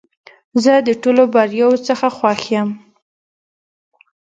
زه د ټولو بریاوو څخه خوښ یم .